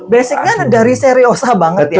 basicnya dari seriosa banget ya